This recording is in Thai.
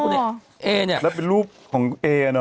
กินที่นี่เอ๊นี่แล้วเป็นรูปของเอ๊เนอะ